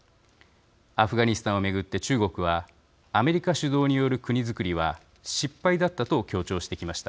アフガニスタンを巡って中国はアメリカ主導による国づくりは失敗だったと強調してきました。